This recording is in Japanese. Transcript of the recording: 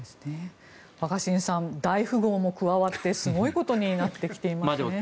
若新さん大富豪も加わってすごいことになってきていますね。